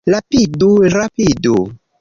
Rapidu, rapidu!